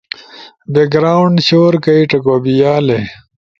[بیک گراونڈ شور کئی چکو بیالے]